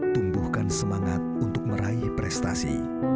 tumbuhkan semangat untuk meraih prestasi